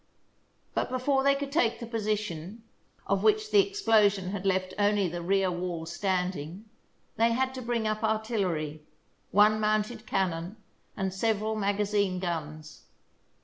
But before they could take the position, of which the explosion had left only the rear walls standing, THE BOOK OF FAMOUS SIEGES they had to bring up artillery, one mounted cannon and several magazine guns.